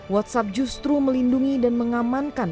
whatsapp justru melindungi dan mengamankan